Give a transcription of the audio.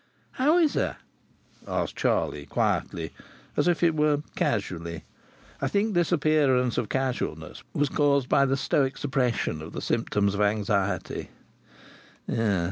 "How is her?" asked Charlie, quietly, as it were casually. I think this appearance of casualness was caused by the stoic suppression of the symptoms of anxiety.